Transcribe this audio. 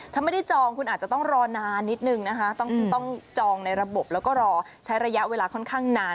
ถ้าไม่ได้จองคุณอาจจะต้องรอนานนิดนึงนะคะต้องจองในระบบแล้วก็รอใช้ระยะเวลาค่อนข้างนาน